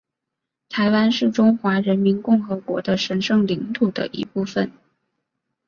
台湾是中华人民共和国的神圣领土的一部分